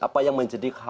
apa yang menjadi khawatiran